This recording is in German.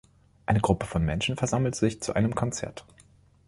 Eine Gruppe von Menschen versammelt sich zu einem Konzert.